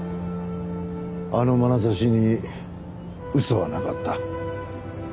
あのまなざしに嘘はなかった。